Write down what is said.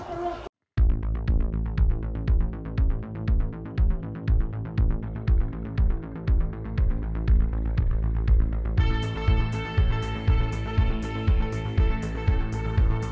sebenarnya butuh apa lagi sih bang